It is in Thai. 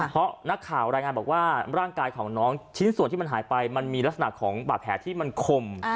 เพราะนักข่าวรายงานบอกว่าร่างกายของน้องชิ้นส่วนที่มันหายไปมันมีลักษณะของบาดแผลที่มันคม